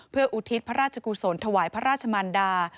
เพื่ออุทิศพระราชกุศลถวายพระราชมันดา